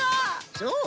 そう？